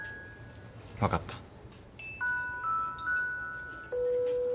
分かった。